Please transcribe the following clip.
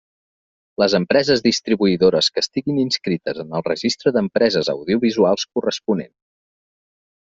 Les empreses distribuïdores que estiguin inscrites en el registre d'empreses audiovisuals corresponent.